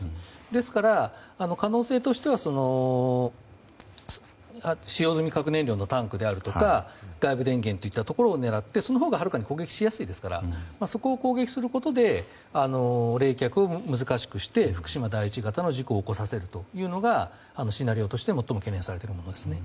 ですから、可能性としては使用済み核燃料のタンクであるとか外部電源を狙ってそのほうが、はるかに攻撃しやすいですからそこを攻撃することで冷却を難しくして福島第一型の事故を起こさせるというのがシナリオとして最も懸念されているものですね。